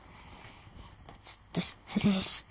ちょっと失礼して。